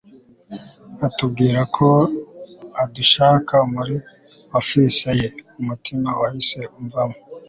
atubwirako adushaka muri office ye umutima wahise umvamo